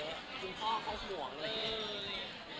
จึงพ่อเขาห่วงเลย